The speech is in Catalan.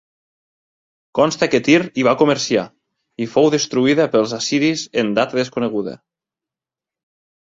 Consta que Tir hi va comerciar, i fou destruïda pels assiris en data desconeguda.